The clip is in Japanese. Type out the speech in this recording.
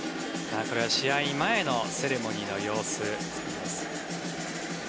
これは試合前のセレモニーの様子。